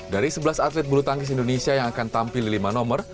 dari sebelas atlet bulu tangkis indonesia yang akan tampil di lima nomor